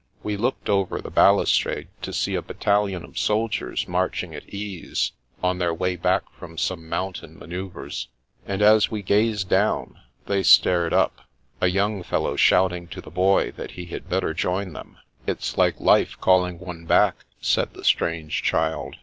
We looked over the bal ustrade to see a battalion of soldiers marching at ease, on their way back from some mountain ma noeuvres, and as we gazed down, they stared up, a young fellow shouting to the Boy that he had better join them. " It's like life calling one back," said the strange child.